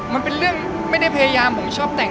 มันเป็นเรื่องไม่ได้พยายามผมชอบแต่ง